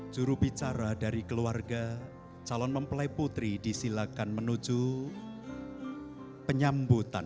jurubicara dari keluarga calon mempelai putri disilakan menuju penyambutan